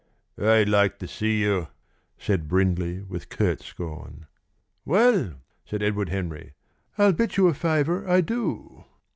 "I'd like to see you," said Brindley, with curt scorn. "Well," said Edward Henry, "I'll bet you a fiver I do."